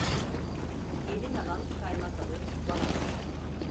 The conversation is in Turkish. Gelin alan kaymak alır bal alır.